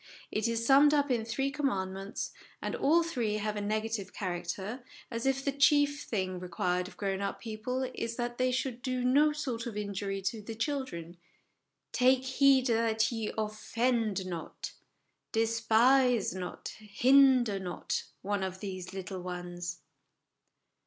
It is summed up in three commandments, and all three have a negative character, as if the chief thing re quired of grown up people is that they should do no sort of injury to the children : Take heed that ye 01 ] KND 0/ DESPISE not HINDER not one of these little ones.